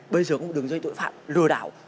bây giờ có một đường dây tội phạm lừa đảo